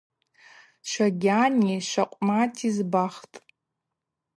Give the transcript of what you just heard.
Шогьани Щакъвмати збахтӏ.